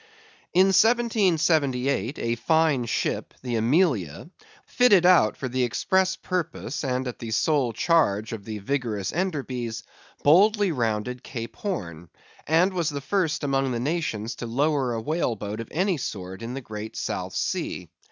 In 1778, a fine ship, the Amelia, fitted out for the express purpose, and at the sole charge of the vigorous Enderbys, boldly rounded Cape Horn, and was the first among the nations to lower a whale boat of any sort in the great South Sea.